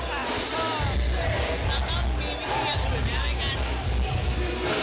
แล้วก็มีทีหรือไม่ได้กัน